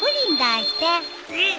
えっ。